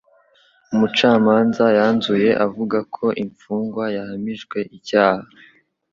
Umucamanza yanzuye avuga ko imfungwa yahamijwe icyaha